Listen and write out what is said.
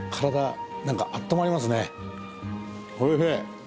おいしい。